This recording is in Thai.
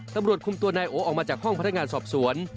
ตำรวจคุมตัวนายโอออกมาจากห้องพนักงานสอบสวน